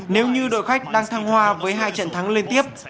nếu như đội khách đang thăng hoa với hai trận thắng liên tiếp